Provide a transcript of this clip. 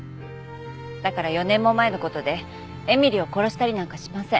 だから４年も前の事で絵美里を殺したりなんかしません。